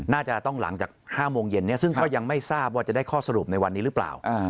น่าจะต้องหลังจาก๕โมงเย็นซึ่งก็ยังไม่ทราบว่าจะได้ข้อสรุปในวันนี้หรือเปล่า